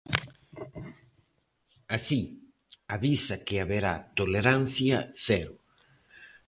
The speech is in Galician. Así, avisa que haberá "tolerancia cero".